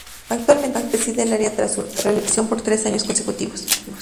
Actualmente preside el Área tras su reelección por tres años consecutivos.